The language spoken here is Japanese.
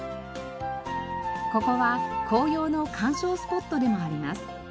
ここは紅葉の観賞スポットでもあります。